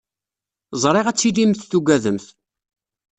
Ẓriɣ ad tilimt tugademt.